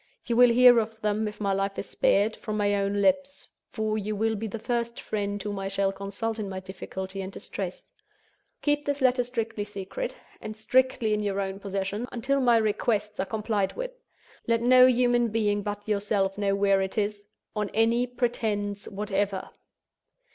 You will hear of them, if my life is spared, from my own lips—for you will be the first friend whom I shall consult in my difficulty and distress. Keep this letter strictly secret, and strictly in your own possession, until my requests are complied with. Let no human being but yourself know where it is, on any pretense whatever.